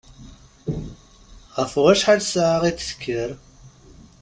Ɣef wacḥal ssaɛa i d-tekker?